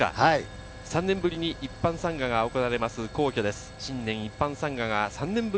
３年ぶりに一般参賀が行われます。